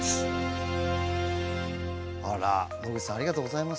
野口さんありがとうございます。